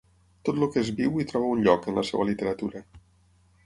Tot el que és viu hi troba un lloc, en la seva literatura.